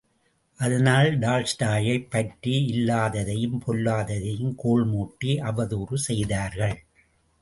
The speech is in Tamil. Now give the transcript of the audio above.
அதனால் டால்ஸ்டாயைப் பற்றி இல்லாததையும் பொல்லாததையும் கோள்மூட்டி அவதூறு செய்தார்கள்.